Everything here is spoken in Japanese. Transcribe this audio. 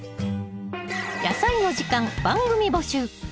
「やさいの時間」番組募集。